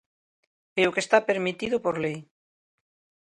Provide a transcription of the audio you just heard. É o que está permitido por lei.